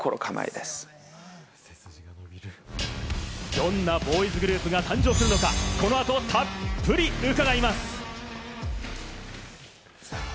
どんなボーイズグループが誕生するのか、この後たっぷり伺います。